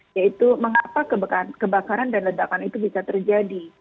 yaitu mengapa kebakaran dan ledakan itu bisa terjadi